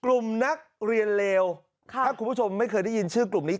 กลุ่มนักเรียนเลวถ้าคุณผู้ชมไม่เคยได้ยินชื่อกลุ่มนี้